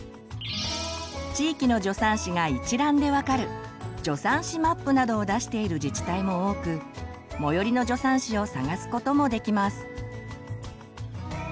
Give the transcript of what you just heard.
地域の助産師が一覧で分かる「助産師マップ」などを出している自治体も多く最寄りの助産師を探すこともできます。